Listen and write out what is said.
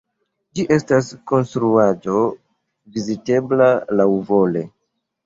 Ĝi estas konstruaĵo vizitebla laŭvole.